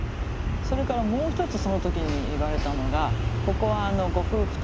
それからもう一つその時に言われたのがここはご夫婦と子どもさん